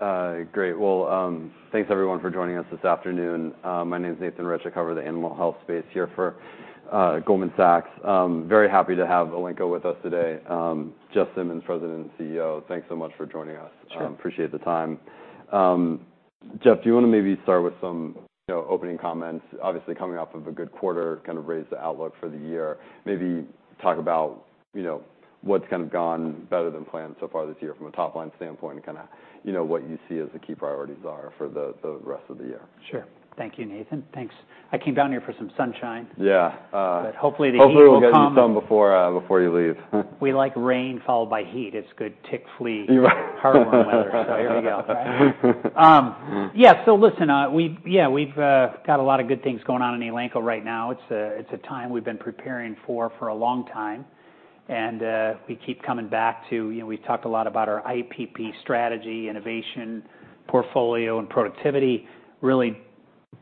All right. Great. Well, thanks everyone for joining us this afternoon. My name is Nathan Rich. I cover the animal health space here for Goldman Sachs. Very happy to have Elanco with us today. Jeff Simmons, President and CEO, thanks so much for joining us. Sure. Appreciate the time. Jeff, do you want to maybe start with some, you know, opening comments? Obviously, coming off of a good quarter, kind of raise the outlook for the year. Maybe talk about, you know, what's kind of gone better than planned so far this year from a top line standpoint, and kind of, you know, what you see as the key priorities are for the, the rest of the year. Sure. Thank you, Nathan. Thanks. I came down here for some sunshine. Yeah, uh- But hopefully, the heat will come. Hopefully, we'll get you some before, before you leave. We like rain, followed by heat. It's good tick, flea- You're right. Yeah, so listen, we've got a lot of good things going on in Elanco right now. It's a time we've been preparing for for a long time. And we keep coming back to... You know, we talked a lot about our IPP strategy, innovation, portfolio, and productivity. Really,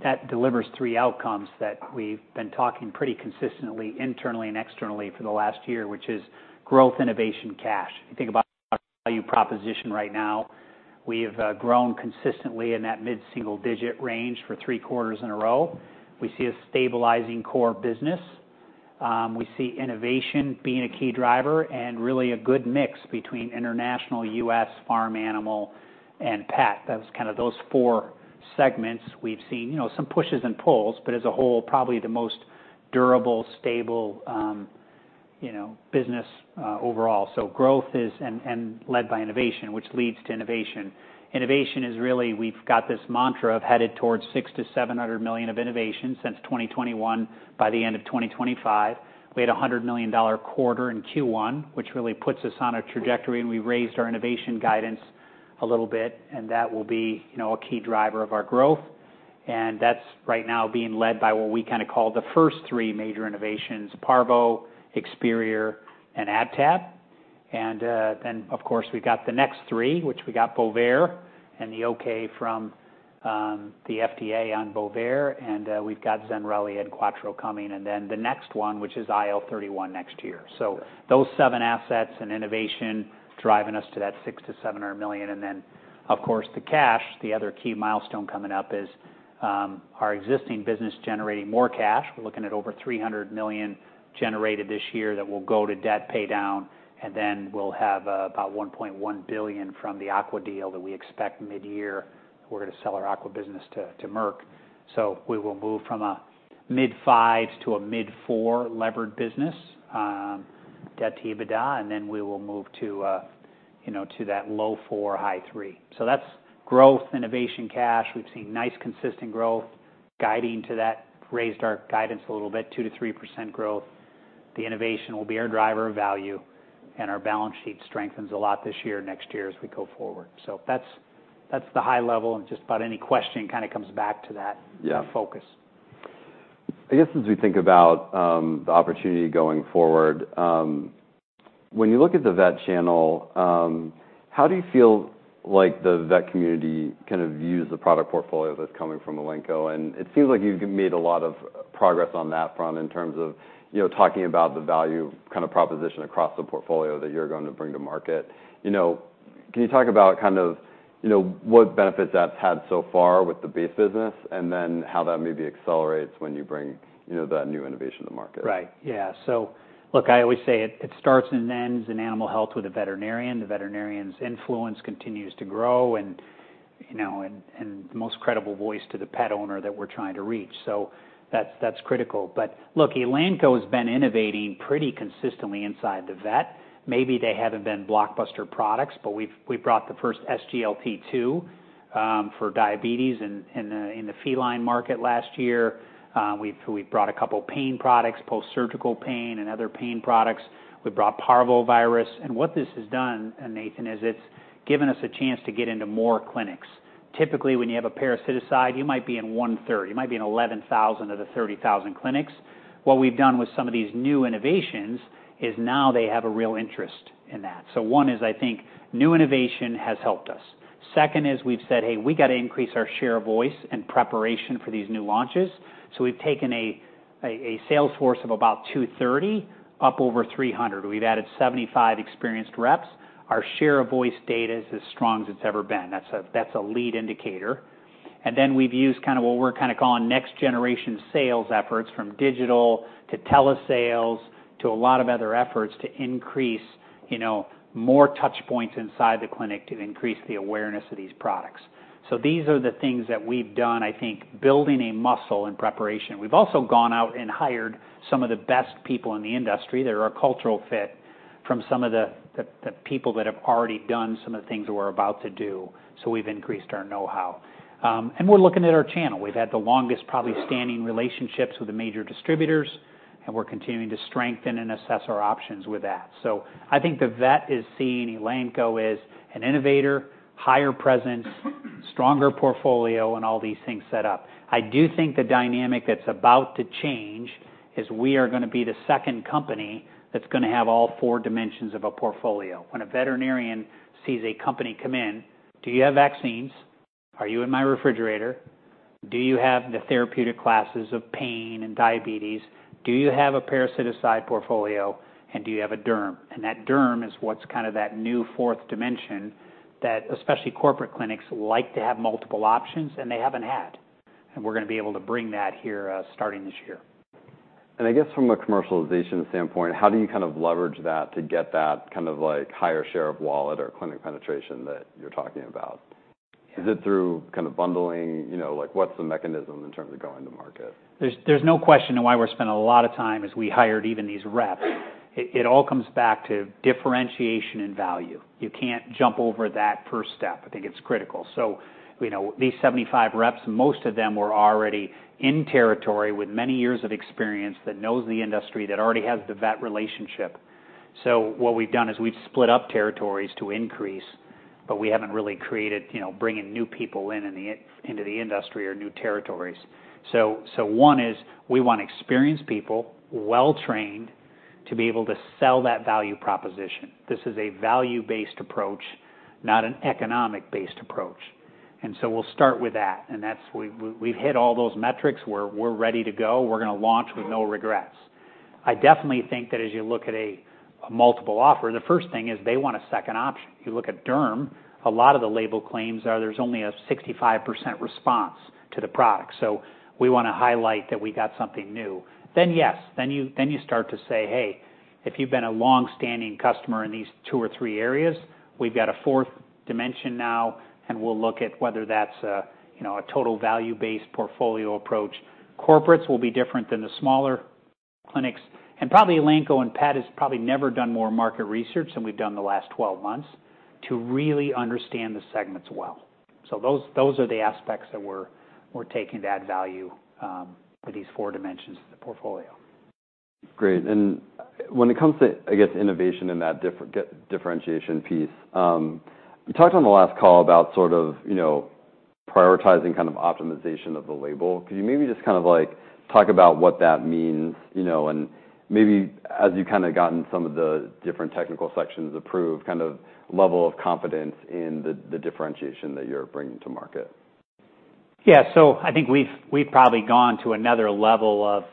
that delivers three outcomes that we've been talking pretty consistently, internally and externally for the last year, which is growth, innovation, cash. If you think about value proposition right now, we've grown consistently in that mid-single digit range for three quarters in a row. We see a stabilizing core business. We see innovation being a key driver, and really a good mix between international, U.S., farm animal and pet. That's kind of those four segments. We've seen, you know, some pushes and pulls, but as a whole, probably the most durable, stable, you know, business overall. So growth is led by innovation, which leads to innovation. Innovation is really. We've got this mantra of headed towards $600 million-$700 million of innovation since 2021, by the end of 2025. We had a $100 million quarter in Q1, which really puts us on a trajectory, and we raised our innovation guidance a little bit, and that will be, you know, a key driver of our growth. And that's right now being led by what we kinda call the first three major innovations, Parvo, Experior, and AdTab. And then, of course, we've got the next three, which we got Bovaer, and the okay from the FDA on Bovaer, and we've got Zenrelia and Quattro coming. And then the next one, which is IL-31, next year. So those seven assets and innovation driving us to that $600 million-$700 million. And then, of course, the cash, the other key milestone coming up is our existing business generating more cash. We're looking at over $300 million generated this year that will go to debt pay down, and then we'll have about $1.1 billion from the Aqua deal that we expect midyear. We're gonna sell our Aqua business to Merck. So we will move from a mid-fives to a mid-four levered business, debt to EBITDA, and then we will move to you know, to that low-four, high-three. So that's growth, innovation, cash. We've seen nice, consistent growth guiding to that, raised our guidance a little bit, 2%-3% growth. The innovation will be our driver of value, and our balance sheet strengthens a lot this year, next year, as we go forward. So that's, that's the high level, and just about any question kind of comes back to that- Yeah - focus. I guess, as we think about, the opportunity going forward, when you look at the vet channel, how do you feel like the vet community kind of views the product portfolio that's coming from Elanco? And it seems like you've made a lot of progress on that front in terms of, you know, talking about the value kind of proposition across the portfolio that you're going to bring to market. You know, can you talk about kind of, you know, what benefits that's had so far with the base business, and then how that maybe accelerates when you bring, you know, that new innovation to market? Right. Yeah. So look, I always say it, it starts and ends in animal health with a veterinarian. The veterinarian's influence continues to grow and, you know, the most credible voice to the pet owner that we're trying to reach. So that's critical. But look, Elanco has been innovating pretty consistently inside the vet. Maybe they haven't been blockbuster products, but we've brought the first SGLT2 for diabetes in the feline market last year. We've brought a couple pain products, post-surgical pain and other pain products. We've brought parvovirus. And what this has done, and Nathan, is it's given us a chance to get into more clinics. Typically, when you have a parasiticide, you might be in one third. You might be in 11,000 of the 30,000 clinics. What we've done with some of these new innovations is now they have a real interest in that. So one is, I think, new innovation has helped us. Second is we've said, "Hey, we got to increase our share of voice in preparation for these new launches." So we've taken a sales force of about 230, up over 300. We've added 75 experienced reps. Our share of voice data is as strong as it's ever been. That's a lead indicator. And then we've used kind of what we're kind of calling next generation sales efforts, from digital to telesales, to a lot of other efforts to increase, you know, more touch points inside the clinic to increase the awareness of these products. So these are the things that we've done, I think, building a muscle in preparation. We've also gone out and hired some of the best people in the industry that are a cultural fit from some of the people that have already done some of the things that we're about to do, so we've increased our know-how. And we're looking at our channel. We've had the longest, probably, standing relationships with the major distributors, and we're continuing to strengthen and assess our options with that. So I think the vet is seeing Elanco as an innovator, higher presence, stronger portfolio, and all these things set up. I do think the dynamic that's about to change is we are gonna be the second company that's gonna have all four dimensions of a portfolio. When a veterinarian sees a company come in: Do you have vaccines? Are you in my refrigerator? Do you have the therapeutic classes of pain and diabetes? Do you have a parasiticide portfolio, and do you have a derm? That derm is what's kind of that new fourth dimension that, especially corporate clinics, like to have multiple options, and they haven't had, and we're gonna be able to bring that here, starting this year. I guess from a commercialization standpoint, how do you kind of leverage that to get that kind of, like, higher share of wallet or clinic penetration that you're talking about? Is it through kind of bundling? You know, like, what's the mechanism in terms of going to market? There's no question on why we're spending a lot of time as we hired even these reps. It all comes back to differentiation and value. You can't jump over that first step. I think it's critical. So, you know, these 75 reps, most of them were already in territory with many years of experience, that knows the industry, that already has the vet relationship. So what we've done is we've split up territories to increase, but we haven't really created, you know, bringing new people into the industry or new territories. So one is we want experienced people, well-trained, to be able to sell that value proposition. This is a value-based approach, not an economic-based approach, and so we'll start with that. And that's. We've hit all those metrics. We're ready to go. We're gonna launch with no regrets. I definitely think that as you look at a multiple offer, the first thing is they want a second option. You look at derm, a lot of the label claims are there's only a 65% response to the product. So we wanna highlight that we got something new. Then, yes, then you start to say, "Hey, if you've been a long-standing customer in these two or three areas, we've got a fourth dimension now, and we'll look at whether that's a, you know, a total value-based portfolio approach." Corporates will be different than the smaller clinics, and probably Elanco Pet has probably never done more market research than we've done in the last 12 months to really understand the segments well. So those are the aspects that we're taking to add value to these four dimensions of the portfolio. Great. When it comes to, I guess, innovation and that differentiation piece, you talked on the last call about sort of, you know, prioritizing kind of optimization of the label. Could you maybe just kind of, like, talk about what that means, you know, and maybe as you've kind of gotten some of the different technical sections approved, kind of level of confidence in the differentiation that you're bringing to market? Yeah. So I think we've, we've probably gone to another level of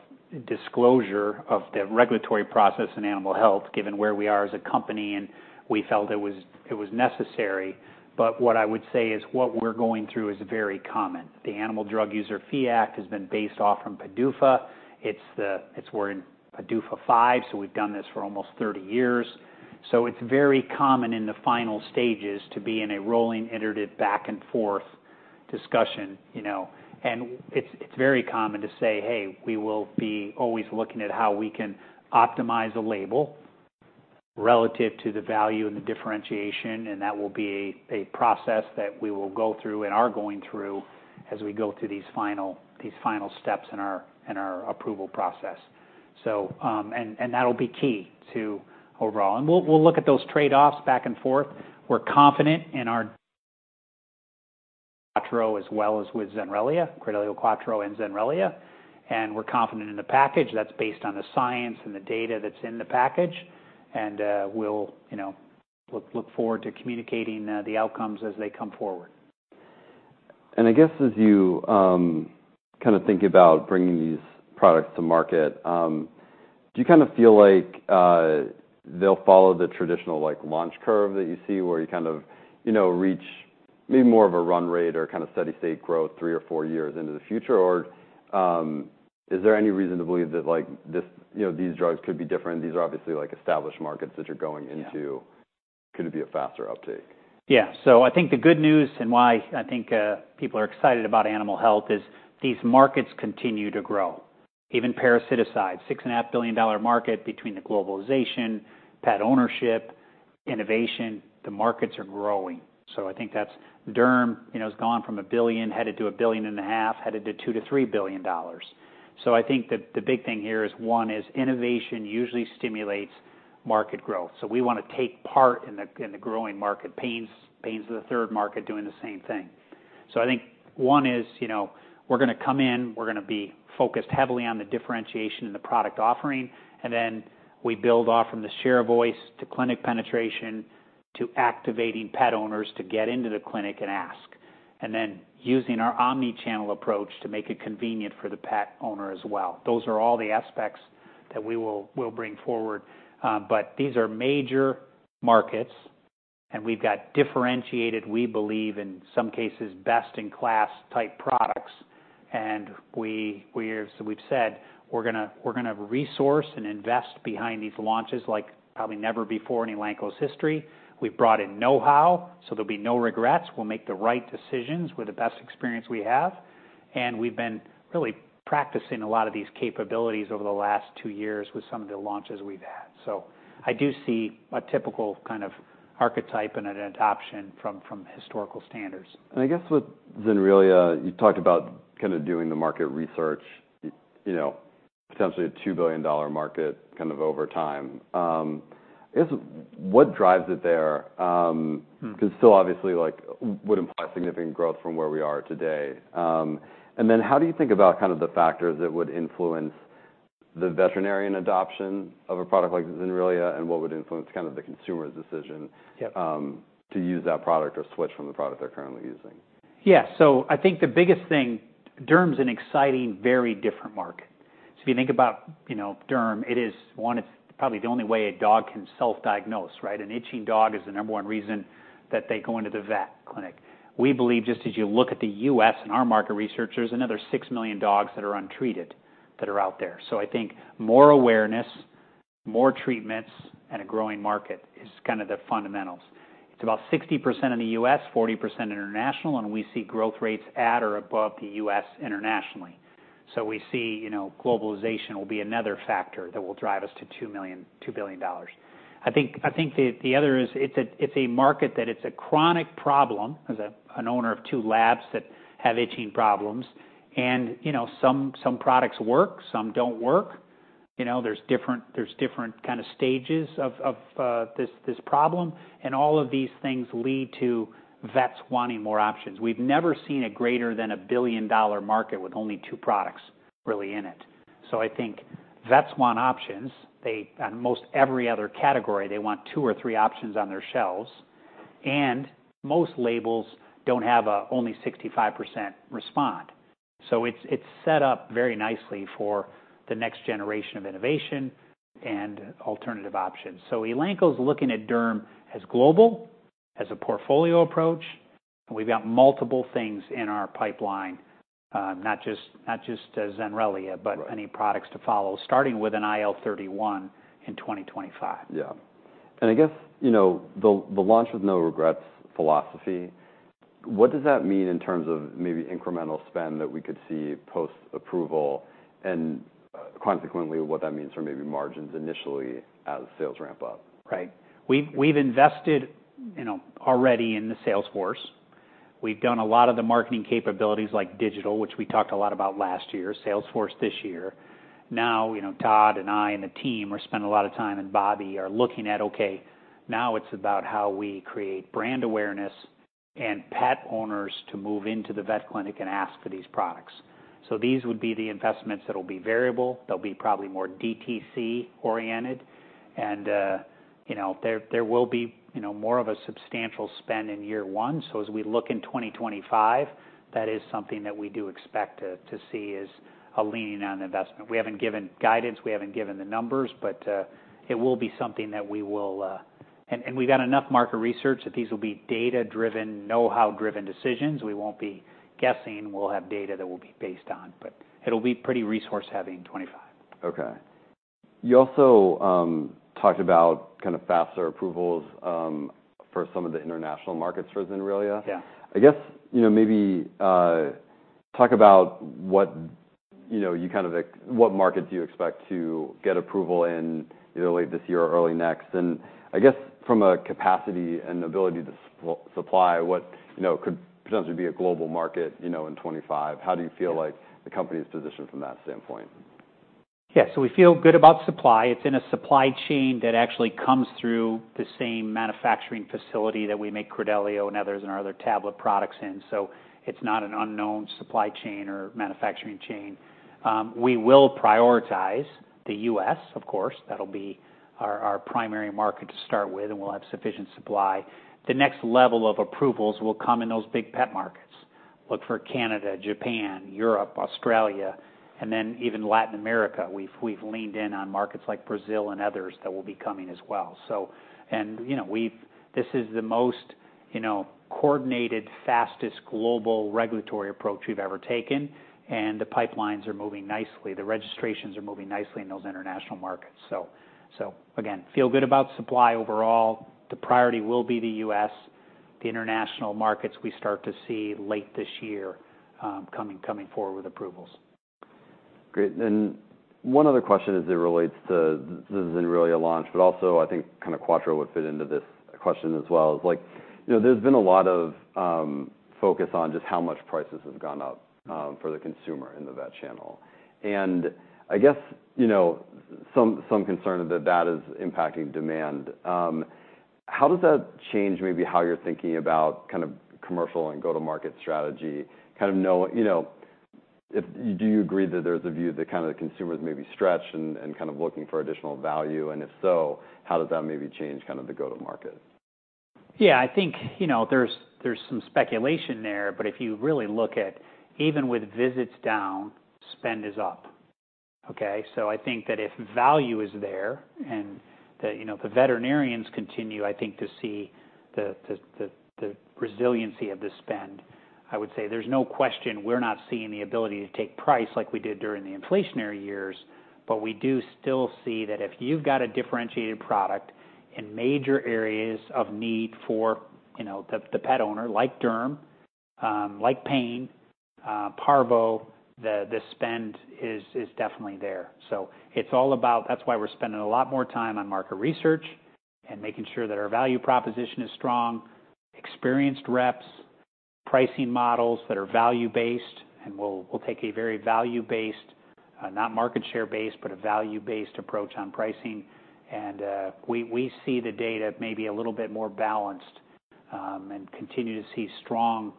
disclosure of the regulatory process in animal health, given where we are as a company, and we felt it was, it was necessary. But what I would say is what we're going through is very common. The Animal Drug User Fee Act has been based off from ADUFA. It's we're in ADUFA V, so we've done this for almost 30 years. So it's very common in the final stages to be in a rolling, iterative, back and forth discussion, you know. And it's very common to say, "Hey, we will be always looking at how we can optimize a label relative to the value and the differentiation," and that will be a process that we will go through and are going through as we go through these final steps in our approval process. So, that'll be key to overall. And we'll look at those trade-offs back and forth. We're confident in our Quattro as well as with Zenrelia, Credelio Quattro and Zenrelia, and we're confident in the package that's based on the science and the data that's in the package. And we'll, you know, look forward to communicating the outcomes as they come forward. I guess as you, kind of think about bringing these products to market, do you kind of feel like, they'll follow the traditional, like, launch curve that you see, where you kind of, you know, reach maybe more of a run rate or kind of steady state growth three or four years into the future? Or, is there any reason to believe that, like, this, you know, these drugs could be different? These are obviously, like, established markets that you're going into. Yeah. Could it be a faster uptake? Yeah. So I think the good news and why I think people are excited about animal health is these markets continue to grow. Even parasiticides, $6.5 billion market between the globalization, pet ownership, innovation, the markets are growing. So I think that's... derm, you know, has gone from $1 billion, headed to $1.5 billion, headed to $2 billion-$3 billion. So I think the, the big thing here is, one, is innovation usually stimulates market growth. So we wanna take part in the, in the growing market. Pain's, pain's the third market doing the same thing. So I think one is, you know, we're gonna come in, we're gonna be focused heavily on the differentiation in the product offering, and then we build off from the share of voice, to clinic penetration, to activating pet owners to get into the clinic and ask, and then using our omnichannel approach to make it convenient for the pet owner as well. Those are all the aspects that we'll bring forward. But these are major markets, and we've got differentiated, we believe, in some cases, best-in-class type products. So we've said we're gonna resource and invest behind these launches like probably never before in Elanco's history. We've brought in know-how, so there'll be no regrets. We'll make the right decisions with the best experience we have. And we've been really practicing a lot of these capabilities over the last two years with some of the launches we've had. So I do see a typical kind of archetype and an adoption from historical standards. I guess with Zenrelia, you talked about kind of doing the market research, you know, potentially a $2 billion market kind of over time. I guess, what drives it there? Mm. 'cause still, obviously, like, would imply significant growth from where we are today. And then how do you think about kind of the factors that would influence the veterinarian adoption of a product like Zenrelia, and what would influence kind of the consumer's decision- Yep. to use that product or switch from the product they're currently using? Yeah. So I think the biggest thing, derm's an exciting, very different market. So if you think about, you know, derm, it is—one, it's probably the only way a dog can self-diagnose, right? An itching dog is the number one reason that they go into the vet clinic. We believe, just as you look at the U.S. and our market research, there's another 6 million dogs that are untreated that are out there. So I think more awareness, more treatments, and a growing market is kind of the fundamentals. It's about 60% in the U.S., 40% international, and we see growth rates at or above the U.S. internationally. So we see, you know, globalization will be another factor that will drive us to $2 billion. I think the other is, it's a market that's a chronic problem, as an owner of two labs that have itching problems. And, you know, some products work, some don't work. You know, there's different kind of stages of this problem. And all of these things lead to vets wanting more options. We've never seen a greater than a billion-dollar market with only two products really in it. So I think vets want options. They, most every other category, they want two or three options on their shelves, and most labels don't have only 65% respond. So it's set up very nicely for the next generation of innovation and alternative options. So Elanco's looking at derm as global, as a portfolio approach, and we've got multiple things in our pipeline, not just, not just as Zenrelia- Right... but any products to follow, starting with an IL-31 in 2025. Yeah. And I guess, you know, the launch with no regrets philosophy, what does that mean in terms of maybe incremental spend that we could see post-approval, and consequently, what that means for maybe margins initially as sales ramp up? Right. We've invested, you know, already in the sales force. We've done a lot of the marketing capabilities like digital, which we talked a lot about last year, sales force this year. Now, you know, Todd and I, and the team are spending a lot of time, and Bobby, are looking at, okay, now it's about how we create brand awareness and pet owners to move into the vet clinic and ask for these products. So these would be the investments that will be variable. They'll be probably more DTC-oriented, and, you know, there will be, you know, more of a substantial spend in year one. So as we look in 2025, that is something that we do expect to see, is a leaning on investment. We haven't given guidance, we haven't given the numbers, but it will be something that we will... And we've got enough market research that these will be data-driven, know-how-driven decisions. We won't be guessing. We'll have data that will be based on, but it'll be pretty resource-heavy in 2025. Okay. You also talked about kind of faster approvals for some of the international markets for Zenrelia. Yeah. I guess, you know, maybe talk about what, you know, you kind of expect what markets you expect to get approval in, either late this year or early next. I guess from a capacity and ability to supply what, you know, could potentially be a global market, you know, in 2025, how do you feel like the company is positioned from that standpoint? Yeah, so we feel good about supply. It's in a supply chain that actually comes through the same manufacturing facility that we make Credelio and others, and our other tablet products in. So it's not an unknown supply chain or manufacturing chain. We will prioritize the U.S., of course, that'll be our primary market to start with, and we'll have sufficient supply. The next level of approvals will come in those big pet markets. Look for Canada, Japan, Europe, Australia, and then even Latin America. We've leaned in on markets like Brazil and others that will be coming as well. So, and, you know, this is the most, you know, coordinated, fastest global regulatory approach we've ever taken, and the pipelines are moving nicely. The registrations are moving nicely in those international markets. So again, feel good about supply overall. The priority will be the U.S., the international markets we start to see late this year, coming forward with approvals. Great. And one other question as it relates to the Zenrelia launch, but also I think kind of Quattro would fit into this question as well is, like, you know, there's been a lot of focus on just how much prices have gone up for the consumer in the vet channel. And I guess, you know, some concern that that is impacting demand. How does that change maybe how you're thinking about kind of commercial and go-to-market strategy? You know, do you agree that there's a view that kind of the consumers may be stretched and kind of looking for additional value, and if so, how does that maybe change kind of the go-to market? Yeah, I think, you know, there's some speculation there, but if you really look at, even with visits down, spend is up. Okay? So I think that if value is there and that, you know, the veterinarians continue, I think, to see the resiliency of the spend, I would say there's no question we're not seeing the ability to take price like we did during the inflationary years, but we do still see that if you've got a differentiated product in major areas of need for, you know, the pet owner, like derm, like pain, Parvo, the spend is definitely there. So it's all about that's why we're spending a lot more time on market research and making sure that our value proposition is strong, experienced reps, pricing models that are value-based, and we'll take a very value-based, not market share-based, but a value-based approach on pricing. And we see the data maybe a little bit more balanced and continue to see strong,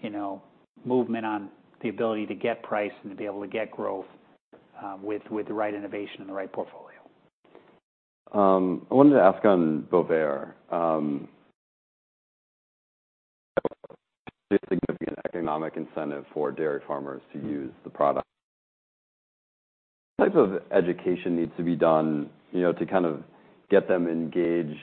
you know, movement on the ability to get price and to be able to get growth, with the right innovation and the right portfolio. I wanted to ask on Bovaer. Significant economic incentive for dairy farmers to use the product. What type of education needs to be done, you know, to kind of get them engaged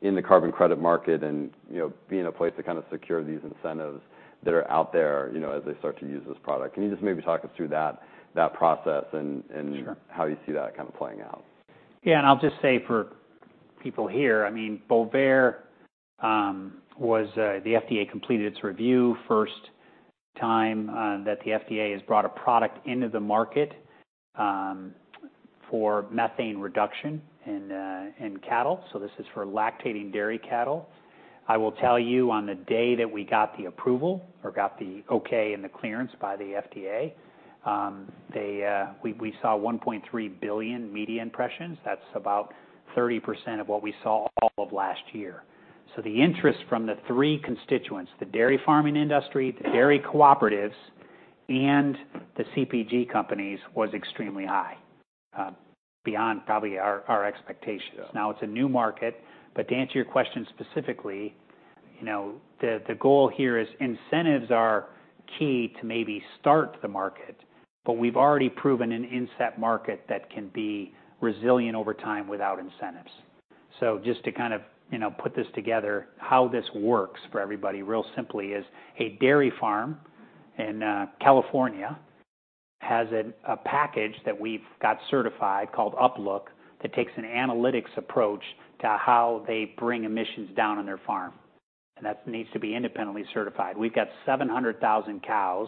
in the carbon credit market and, you know, be in a place to kind of secure these incentives that are out there, you know, as they start to use this product? Can you just maybe talk us through that process and, and- Sure. How you see that kind of playing out? Yeah, and I'll just say for people here, I mean, Bovaer—the FDA completed its review. First time that the FDA has brought a product into the market for methane reduction in cattle, so this is for lactating dairy cattle. I will tell you on the day that we got the approval or got the okay and the clearance by the FDA, we saw 1.3 billion media impressions. That's about 30% of what we saw all of last year. So the interest from the three constituents, the dairy farming industry, the dairy cooperatives, and the CPG companies, was extremely high, beyond probably our expectations. Yeah. Now, it's a new market, but to answer your question specifically, you know, the goal here is incentives are key to maybe start the market, but we've already proven an inset market that can be resilient over time without incentives. So just to kind of, you know, put this together, how this works for everybody, real simply, is a dairy farm in California has a package that we've got certified called UpLook, that takes an analytics approach to how they bring emissions down on their farm, and that needs to be independently certified. We've got 700,000 cows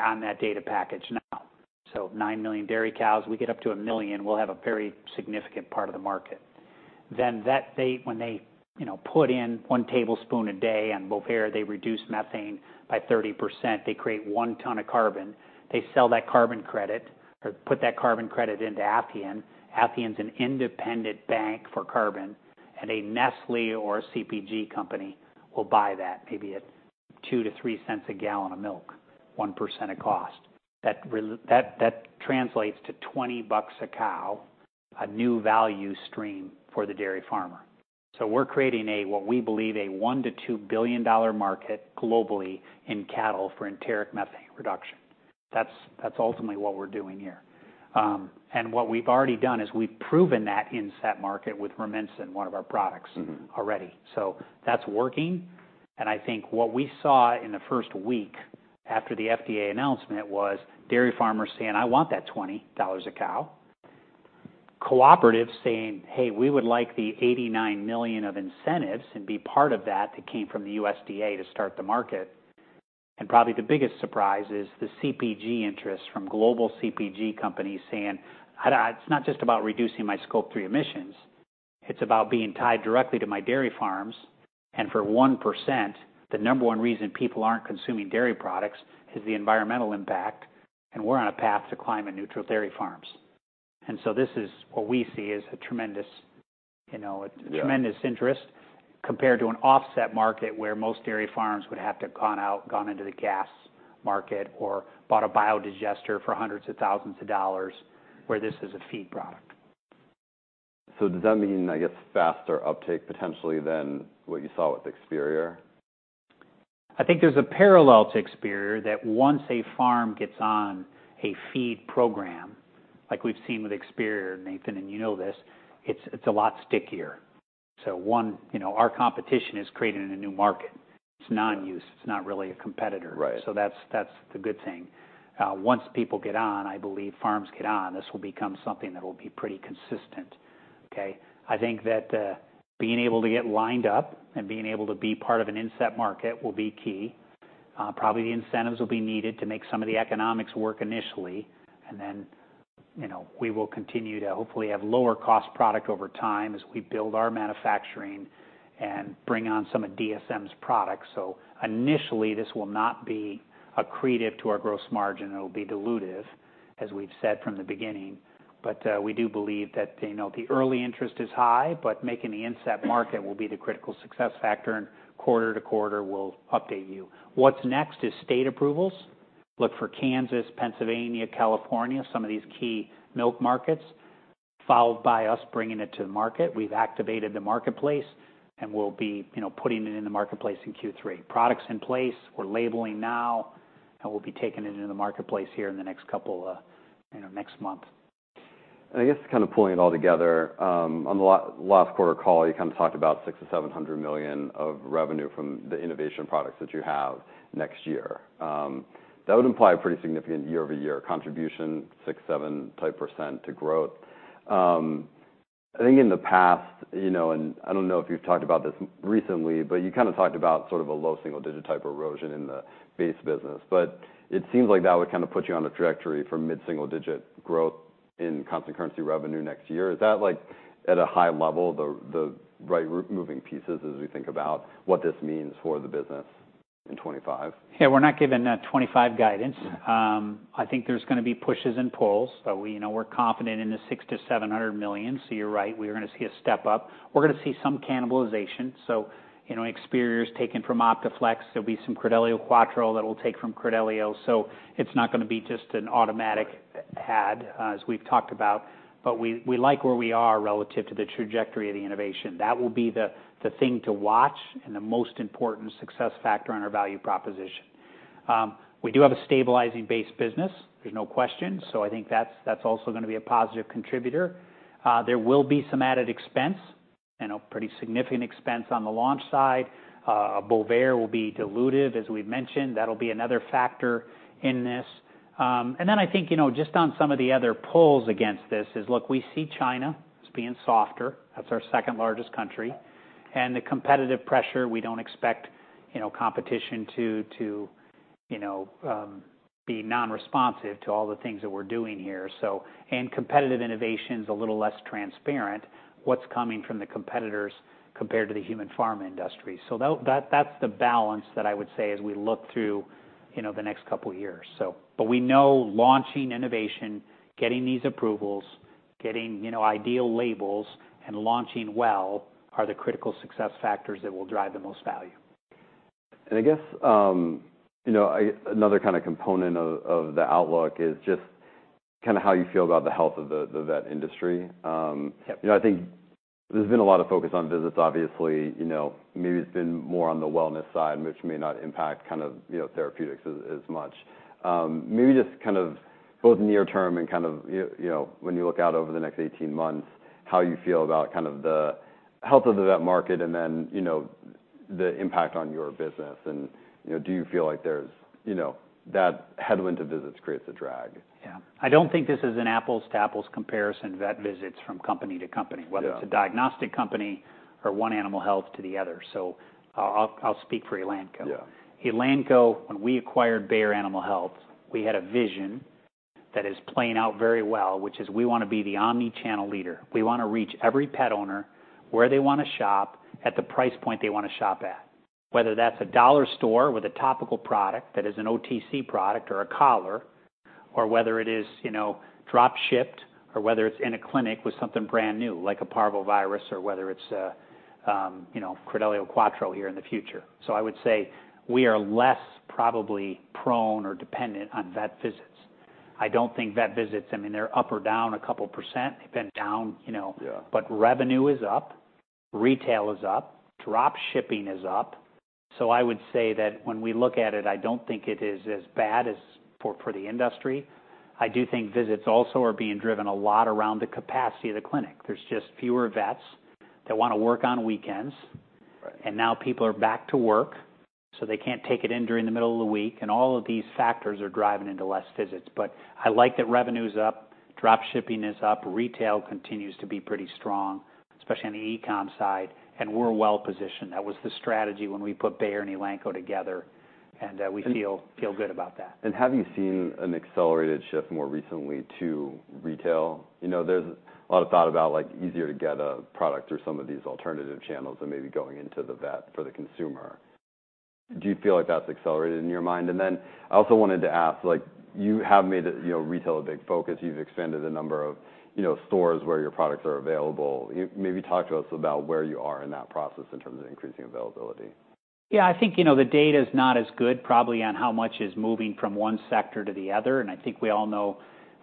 on that data package now. So 9 million dairy cows, we get up to 1 million, we'll have a very significant part of the market. Then when they, you know, put in one tablespoon a day on Bovaer, they reduce methane by 30%. They create 1 ton of carbon. They sell that carbon credit or put that carbon credit into Athian. Athian's an independent bank for carbon, and a Nestlé or a CPG company will buy that maybe at 2-3 cents a gallon of milk, 1% of cost. That, that translates to $20 a cow, a new value stream for the dairy farmer. So we're creating a, what we believe, a $1 billion-$2 billion market globally in cattle for enteric methane reduction. That's ultimately what we're doing here. And what we've already done is we've proven that inset market with Rumensin, one of our products- Mm-hmm. -already. So that's working, and I think what we saw in the first week after the FDA announcement was dairy farmers saying, "I want that $20 a cow." Cooperatives saying, "Hey, we would like the $89 million of incentives and be part of that," that came from the USDA to start the market. And probably the biggest surprise is the CPG interest from global CPG companies saying, "It's not just about reducing my Scope 3 emissions, it's about being tied directly to my dairy farms." And for 1%, the number one reason people aren't consuming dairy products is the environmental impact, and we're on a path to climate neutral dairy farms. And so this is what we see as a tremendous, you know- Yeah... tremendous interest compared to an offset market where most dairy farms would have to gone out, gone into the gas market or bought a biodigester for hundreds of thousands of dollars, where this is a feed product. Does that mean, I guess, faster uptake potentially than what you saw with Experior? I think there's a parallel to Experior, that once a farm gets on a feed program, like we've seen with Experior, Nathan, and you know this, it's a lot stickier. So one, you know, our competition is creating in a new market. It's non-use, it's not really a competitor. Right. So that's, that's the good thing. Once people get on, I believe farms get on, this will become something that will be pretty consistent, okay? I think that, being able to get lined up and being able to be part of an inset market will be key. Probably the incentives will be needed to make some of the economics work initially, and then, you know, we will continue to hopefully have lower cost product over time as we build our manufacturing and bring on some of DSM's products. So initially, this will not be accretive to our gross margin. It'll be dilutive, as we've said from the beginning. But, we do believe that, you know, the early interest is high, but making the inset market will be the critical success factor, and quarter to quarter, we'll update you. What's next is state approvals. Look for Kansas, Pennsylvania, California, some of these key milk markets, followed by us bringing it to the market. We've activated the marketplace, and we'll be, you know, putting it in the marketplace in Q3. Products in place. We're labeling now, and we'll be taking it into the marketplace here in the next couple of, you know, next month. I guess kind of pulling it all together, on the last quarter call, you kind of talked about $600 million-$700 million of revenue from the innovation products that you have next year. That would imply a pretty significant year-over-year contribution, 6%-7% to growth. I think in the past, you know, and I don't know if you've talked about this recently, but you kind of talked about sort of a low single digit type erosion in the base business. But it seems like that would kind of put you on a trajectory for mid-single digit growth in constant currency revenue next year. Is that, like, at a high level, the right moving pieces as we think about what this means for the business... in 2025? Yeah, we're not giving 2025 guidance. I think there's gonna be pushes and pulls, but we, you know, we're confident in the $600 million-$700 million. So you're right, we are gonna see a step up. We're gonna see some cannibalization, so, you know, Experior is taken from Optaflexx. There'll be some Credelio Quattro that'll take from Credelio. So it's not gonna be just an automatic add, as we've talked about, but we, we like where we are relative to the trajectory of the innovation. That will be the thing to watch and the most important success factor in our value proposition. We do have a stabilizing base business, there's no question. So I think that's also gonna be a positive contributor. There will be some added expense and a pretty significant expense on the launch side. Bovaer will be dilutive, as we've mentioned. That'll be another factor in this. And then I think, you know, just on some of the other pulls against this is, look, we see China as being softer. That's our second largest country. And the competitive pressure, we don't expect, you know, competition to be non-responsive to all the things that we're doing here, so. And competitive innovation's a little less transparent, what's coming from the competitors compared to the human pharma industry. So that, that's the balance that I would say as we look through, you know, the next couple years, so. But we know launching innovation, getting these approvals, getting, you know, ideal labels, and launching well are the critical success factors that will drive the most value. I guess, you know, another kind of component of the outlook is just kind of how you feel about the health of the vet industry. Yep. You know, I think there's been a lot of focus on visits, obviously, you know, maybe it's been more on the wellness side, which may not impact kind of, you know, therapeutics as, as much. Maybe just kind of both near term and kind of, you, you know, when you look out over the next 18 months, how you feel about kind of the health of the vet market, and then, you know, the impact on your business, and, you know, do you feel like there's, you know, that headwind to visits creates a drag? Yeah. I don't think this is an apples to apples comparison, vet visits from company to company- Yeah... whether it's a diagnostic company or from one animal health to the other. So I'll speak for Elanco. Yeah. Elanco, when we acquired Bayer Animal Health, we had a vision that is playing out very well, which is we want to be the omni-channel leader. We want to reach every pet owner where they want to shop at the price point they want to shop at, whether that's a dollar store with a topical product that is an OTC product or a collar, or whether it is, you know, drop shipped or whether it's in a clinic with something brand new, like a parvovirus, or whether it's a, you know, Credelio Quattro here in the future. So I would say we are less probably prone or dependent on vet visits. I don't think vet visits, I mean, they're up or down a couple%. They've been down, you know- Yeah. But revenue is up, retail is up, drop shipping is up. So I would say that when we look at it, I don't think it is as bad as for the industry. I do think visits also are being driven a lot around the capacity of the clinic. There's just fewer vets that want to work on weekends. Right. Now people are back to work, so they can't take it in during the middle of the week, and all of these factors are driving into less visits. But I like that revenue's up, drop shipping is up, retail continues to be pretty strong, especially on the e-com side, and we're well positioned. That was the strategy when we put Bayer and Elanco together, and we feel- And- Feel good about that. Have you seen an accelerated shift more recently to retail? You know, there's a lot of thought about, like, easier to get a product through some of these alternative channels than maybe going into the vet for the consumer. Do you feel like that's accelerated in your mind? Then I also wanted to ask, like, you have made it, you know, retail a big focus. You've expanded the number of, you know, stores where your products are available. You maybe talk to us about where you are in that process in terms of increasing availability. Yeah, I think, you know, the data is not as good probably on how much is moving from one sector to the other, and I think we all know,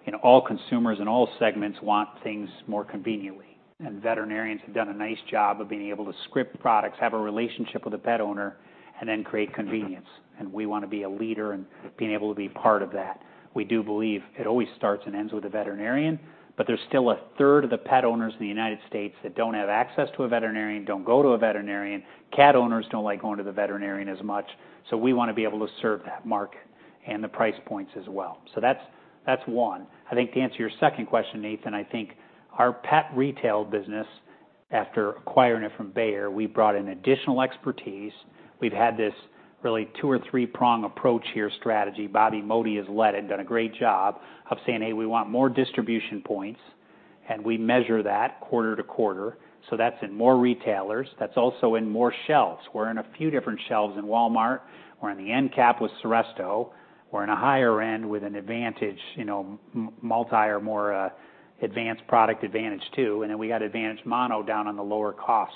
you know, all consumers in all segments want things more conveniently. And veterinarians have done a nice job of being able to script products, have a relationship with the pet owner, and then create convenience. And we want to be a leader in being able to be part of that. We do believe it always starts and ends with the veterinarian, but there's still a third of the pet owners in the United States that don't have access to a veterinarian, don't go to a veterinarian. Cat owners don't like going to the veterinarian as much. So we want to be able to serve that market and the price points as well. So that's, that's one. I think to answer your second question, Nathan, I think our pet retail business, after acquiring it from Bayer, we brought in additional expertise. We've had this really two or three prong approach here strategy. Bobby Modi has led and done a great job of saying: Hey, we want more distribution points, and we measure that quarter to quarter. So that's in more retailers. That's also in more shelves. We're in a few different shelves in Walmart. We're on the end cap with Seresto. We're in a higher end with an Advantage, you know, multi or more advanced product, Advantage II. And then we got Advantage Multi down on the lower cost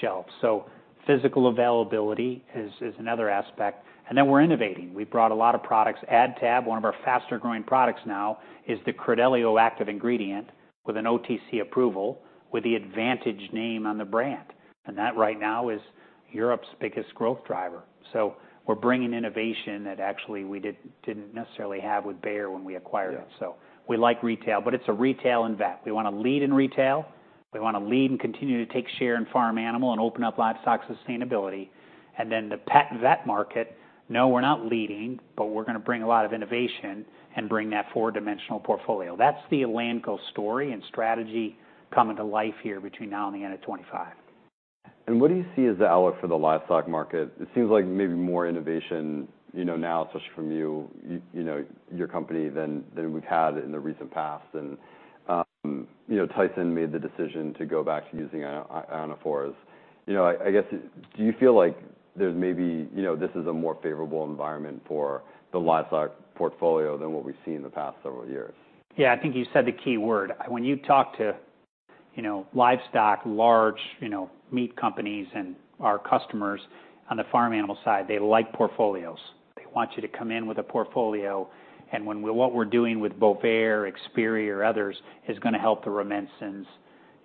shelf. So physical availability is another aspect, and then we're innovating. We've brought a lot of products. AdTab, one of our faster growing products now, is the Credelio active ingredient with an OTC approval, with the Advantage name on the brand. And that right now is Europe's biggest growth driver. So we're bringing innovation that actually we didn't necessarily have with Bayer when we acquired it. Yeah. So we like retail, but it's a retail and vet. We want to lead in retail. We want to lead and continue to take share in farm animal and open up livestock sustainability. And then the pet and vet market, no, we're not leading, but we're going to bring a lot of innovation and bring that four-dimensional portfolio. That's the Elanco story and strategy coming to life here between now and the end of 2025. What do you see as the outlook for the livestock market? It seems like maybe more innovation, you know, now, especially from you, you know, your company, than we've had in the recent past. And you know, Tyson made the decision to go back to using ionophores. You know, I guess, do you feel like there's maybe, you know, this is a more favorable environment for the livestock portfolio than what we've seen in the past several years? Yeah, I think you said the key word. When you talk to, you know, livestock, large, you know, meat companies and our customers on the farm animal side, they like portfolios. They want you to come in with a portfolio, and when—what we're doing with Bovaer, Experior or others, is gonna help the Rumensin.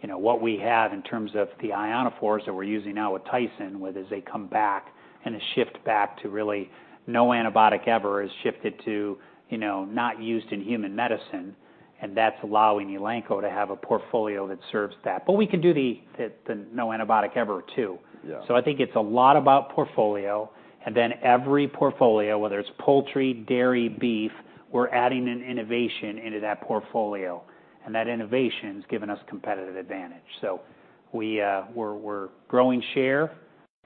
You know, what we have in terms of the ionophores that we're using now with Tyson, whether as they come back and a shift back to really No Antibiotic Ever is shifted to, you know, not used in human medicine, and that's allowing Elanco to have a portfolio that serves that. But we can do the No Antibiotic Ever, too. Yeah. So I think it's a lot about portfolio, and then every portfolio, whether it's poultry, dairy, beef, we're adding an innovation into that portfolio, and that innovation has given us competitive advantage. So we, we're growing share,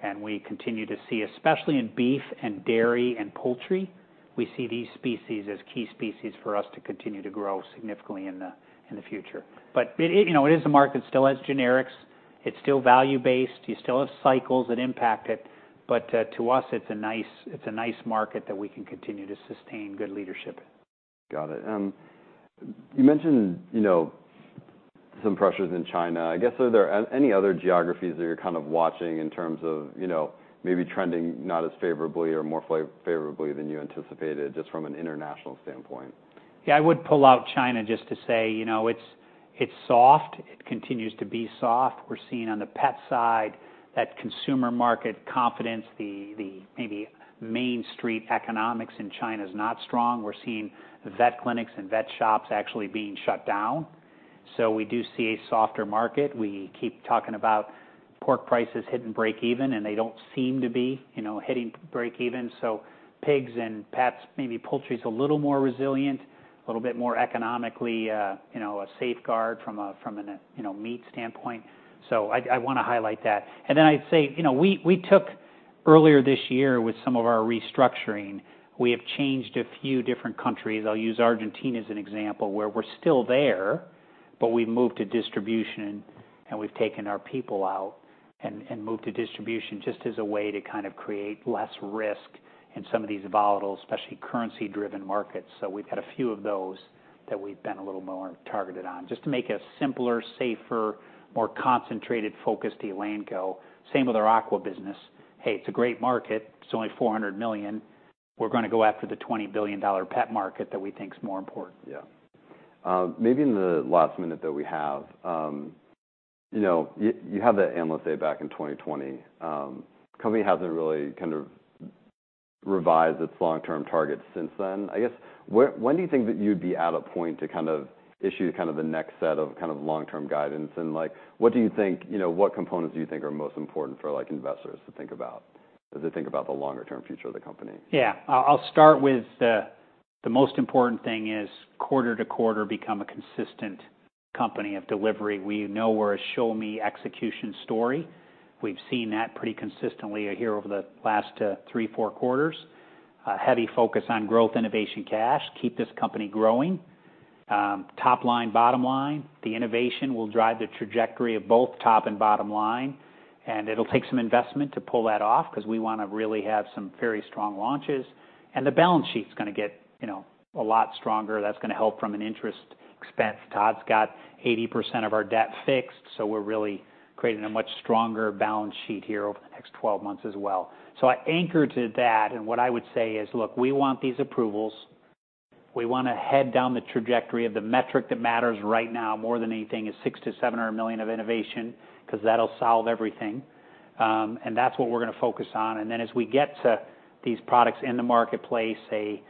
and we continue to see, especially in beef and dairy and poultry, we see these species as key species for us to continue to grow significantly in the future. But it, you know, it is a market, still has generics, it's still value-based, you still have cycles that impact it, but to us, it's a nice, it's a nice market that we can continue to sustain good leadership. Got it. You mentioned, you know, some pressures in China. I guess, are there any other geographies that you're kind of watching in terms of, you know, maybe trending not as favorably or more favorably than you anticipated, just from an international standpoint? Yeah, I would pull out China just to say, you know, it's soft. It continues to be soft. We're seeing on the pet side that consumer market confidence, the maybe Main Street economics in China is not strong. We're seeing vet clinics and vet shops actually being shut down. So we do see a softer market. We keep talking about pork prices hitting break even, and they don't seem to be, you know, hitting break even. So pigs and pets, maybe poultry is a little more resilient, a little bit more economically, you know, a safeguard from a meat standpoint. So I wanna highlight that. And then I'd say, you know, we took earlier this year with some of our restructuring, we have changed a few different countries. I'll use Argentina as an example, where we're still there, but we've moved to distribution, and we've taken our people out and moved to distribution just as a way to kind of create less risk in some of these volatile, especially currency-driven markets. So we've had a few of those that we've been a little more targeted on, just to make a simpler, safer, more concentrated focus to Elanco. Same with our aqua business. Hey, it's a great market. It's only $400 million. We're gonna go after the $20 billion pet market that we think is more important. Yeah. Maybe in the last minute that we have, you know, you have the analyst day back in 2020. Company hasn't really kind of revised its long-term targets since then. I guess, when do you think that you'd be at a point to kind of issue kind of the next set of, kind of long-term guidance? And, like, what do you think, you know, what components do you think are most important for, like, investors to think about, as they think about the longer term future of the company? Yeah. I'll start with the most important thing is quarter to quarter, become a consistent company of delivery. We know we're a show me execution story. We've seen that pretty consistently here over the last three, four quarters. A heavy focus on growth, innovation, cash, keep this company growing. Top line, bottom line, the innovation will drive the trajectory of both top and bottom line, and it'll take some investment to pull that off, 'cause we wanna really have some very strong launches. And the balance sheet's gonna get, you know, a lot stronger. That's gonna help from an interest expense. Todd's got 80% of our debt fixed, so we're really creating a much stronger balance sheet here over the next 12 months as well. So I anchor to that, and what I would say is, look, we want these approvals. We wanna head down the trajectory of the metric that matters right now more than anything, is $600 million-$700 million of innovation, 'cause that'll solve everything. And that's what we're gonna focus on. Then as we get to these products in the marketplace, a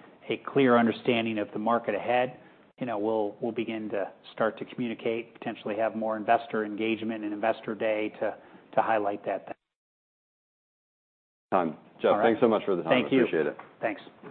clear understanding of the market ahead, you know, we'll begin to start to communicate, potentially have more investor engagement and investor day to highlight that then. Time. All right. Jeff, thanks so much for the time. Thank you. Appreciate it. Thanks.